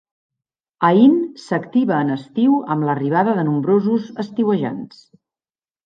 Aín s'activa en estiu amb l'arribada de nombrosos estiuejants.